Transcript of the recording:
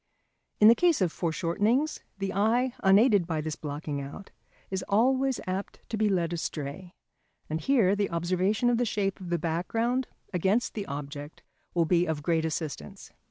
] In the case of foreshortenings, the eye, unaided by this blocking out, is always apt to be led astray. And here the observation of the shape of the background against the object will be of great assistance.